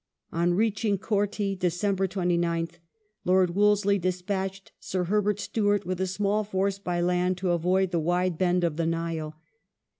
On reaching Korti (Dec. 29th) Lord Wolse ley despatched Sir Herbert Stewart with a small force by land to avoid the wide bend of the Nile.